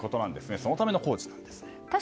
そのための工事なんだそうです。